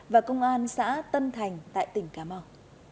và công an xã tân thành tại tỉnh cà mau